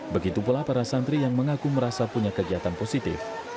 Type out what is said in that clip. begitu pula para santri yang mengaku merasa punya kegiatan positif